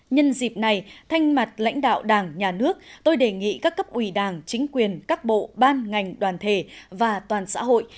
nhân dịp này thanh mặt lãnh đạo đảng nhà nước tôi đề nghị các cấp ủy đảng chính quyền các bộ ban ngành đoàn thể và toàn xã hội